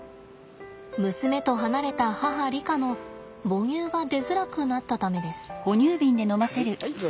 娘と離れた母リカの母乳が出づらくなったためです。